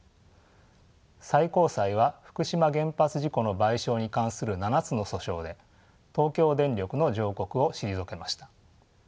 最高裁は福島原発事故の賠償に関する７つの訴訟で東京電力の上告を退けました。